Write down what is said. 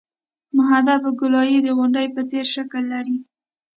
محدب ګولایي د غونډۍ په څېر شکل لري